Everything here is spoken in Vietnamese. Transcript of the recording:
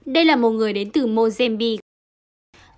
đây là một người đến từ mozambique